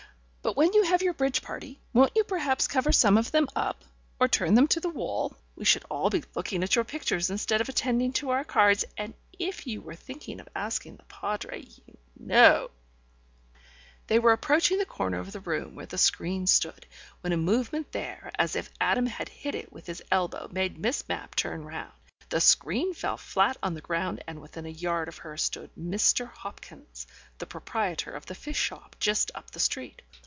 But when you have your bridge party, won't you perhaps cover some of them up, or turn them to the wall? We should all be looking at your pictures instead of attending to our cards. And if you were thinking of asking the Padre, you know ..." They were approaching the corner of the room where the screen stood, when a movement there as if Adam had hit it with his elbow made Miss Mapp turn round. The screen fell flat on the ground and within a yard of her stood Mr. Hopkins, the proprietor of the fish shop just up the street.